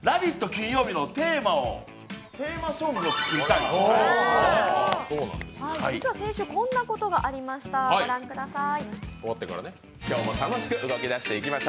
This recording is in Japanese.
金曜日のテーマソングを作りたい実は先週、こんなことがありました、ご覧ください。